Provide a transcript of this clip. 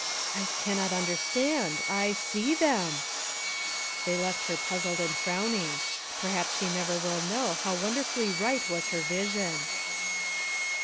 ... I cannot understand. I see them" They left her puzzled and frowning. Perhaps she never will know how wonderfully right was her vi sion.